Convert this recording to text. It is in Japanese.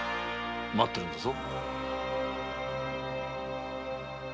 待ってるんだぞ。